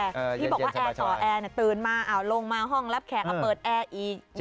ที่บอกว่าแอร์ต่อแอร์ตื่นมาลงมาห้องรับแขกเอาเปิดแอร์อีก